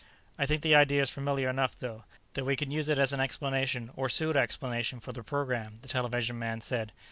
"I think the idea's familiar enough, though, that we can use it as an explanation, or pseudo explanation, for the program," the television man said.